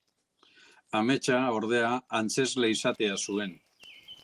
Ametsa, ordea, antzezle izatea zuen.